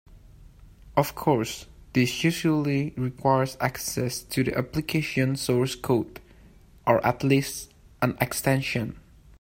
Of course, this usually requires access to the application source code (or at least an extension).